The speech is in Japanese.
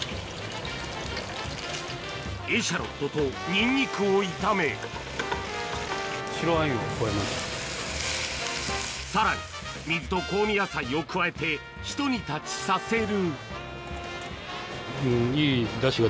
エシャロットとニンニクを炒めさらに水と香味野菜を加えてひと煮立ちさせる